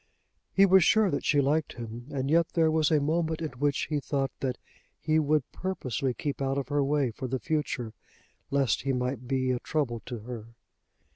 He was sure that she liked him, and yet there was a moment in which he thought that he would purposely keep out of her way for the future, lest he might be a trouble to her.